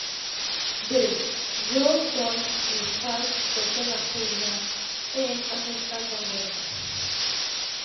Bret, jo són qui faig tota la feina en aquesta conversa.